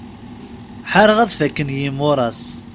Ḥareɣ ad fakken yimuras.